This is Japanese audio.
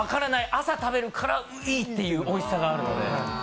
朝食べるからいいっていうおいしさもあるので。